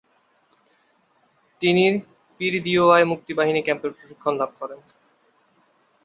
তিনি পীরদিওয়ায় মুক্তি বাহিনী ক্যাম্পে প্রশিক্ষণ লাভ করেন।